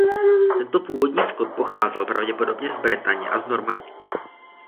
Tento původní skot pocházel pravděpodobně z Bretaně a z Normandie.